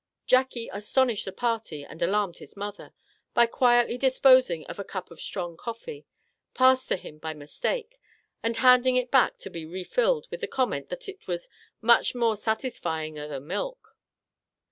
Jackie astonished the party (and alarmed his mother) by quietly disposing of a cup of strong coffee, passed to him by mistake, and handing it back to be refilled with the comment that it was " much more satisfyinger than milk."